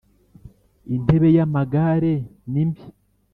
intebe yamagare ni mbi